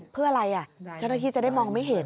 เพื่ออะไรเจ้าหน้าที่จะได้มองไม่เห็น